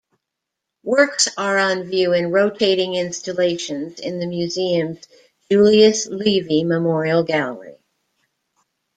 Works are on view in rotating installations in the museum's Julius Levy Memorial Gallery.